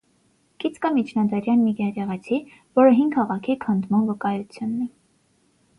Կից կա միջնադարյան մի եկեղեցի, որը հին քաղաքի քանդման վկայությունն է։